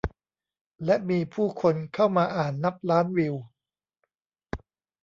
และมีผู้คนเข้ามาอ่านนับล้านวิว